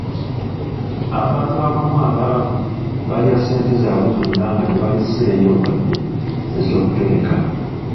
Abantu abamu abaavu balya ssente zaabwe zonna nga tebaleseeyo wadde ez'okutereka.